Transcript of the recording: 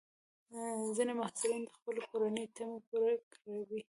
ځینې محصلین د خپلې کورنۍ تمې پوره کوي.